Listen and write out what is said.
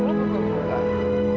gak ada yang peduli sama pernikahan aku